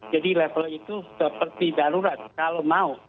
jadi level itu seperti darurat kalau mau